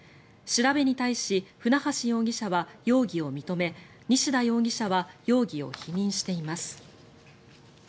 調べに対し船橋容疑者は容疑を認め西田容疑者は容疑を否認しています。